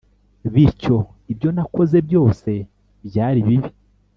bityo ibyo nakoze byose byari bibi